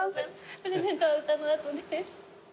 プレゼントは歌の後です。